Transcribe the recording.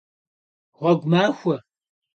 Ğuegu maxue!